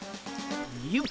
よっ。